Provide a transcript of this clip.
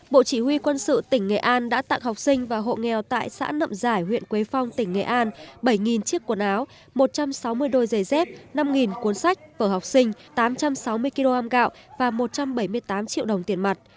bộ chỉ huy quân sự tỉnh nghệ an đã tặng học sinh và hộ nghèo tại xã nậm giải huyện quế phong tỉnh nghệ an bảy chiếc quần áo một trăm sáu mươi đôi giày dép năm cuốn sách vở học sinh tám trăm sáu mươi kg gạo và một trăm bảy mươi tám triệu đồng tiền mặt